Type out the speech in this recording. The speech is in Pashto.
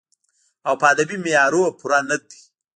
او پۀ ادبې معيارونو پوره نۀ دی